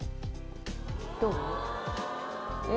どう？